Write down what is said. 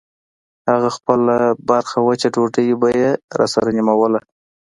خپله برخه وچه ډوډۍ به يې راسره نيموله.